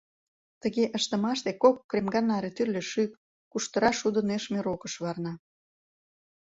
Тыге ыштымаште, кок кремга наре тӱрлӧ шӱк, куштыра шудо нӧшмӧ рокыш варна.